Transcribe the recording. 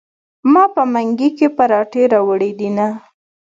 ما په منګي کې پراټې راوړي دینه.